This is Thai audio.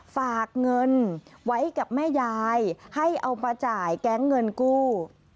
ฝากเงินไว้กับแม่ยายให้เอามาจ่ายแก๊งเงินกู้